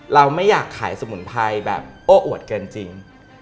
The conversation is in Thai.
เราไม่อยากขายสมุนไพรแบบโอ้อวดเกินจริง